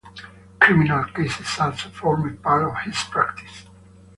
Criminal cases also formed part of his practice.